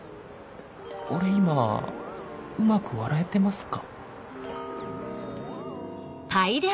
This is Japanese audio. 俺今うまく笑えてますか？